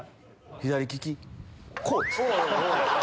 左利き。